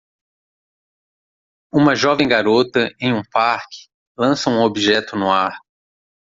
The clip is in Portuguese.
Uma jovem garota em um parque lança um objeto no ar.